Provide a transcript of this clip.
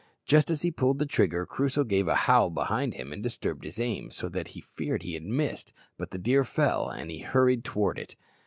Just as he pulled the trigger, Crusoe gave a howl behind him and disturbed his aim, so that he feared he had missed; but the deer fell, and he hurried towards it.